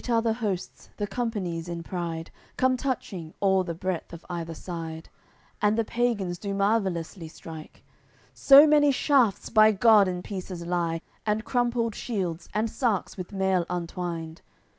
AOI. CCXLIV Great are the hosts; the companies in pride Come touching, all the breadth of either side; And the pagans do marvellously strike. So many shafts, by God! in pieces lie And crumpled shields, and sarks with mail untwined!